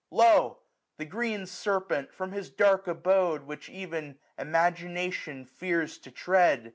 Lo ! the green serpent, from his dark abode. Which ev'n Imagination fears to tread.